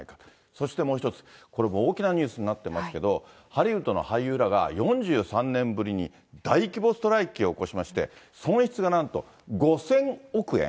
そしてもう一つ、これ、大きなニュースになっていますけれども、ハリウッドの俳優らが４３年ぶりに、大規模ストライキを起こしまして、損失がなんと５０００億円。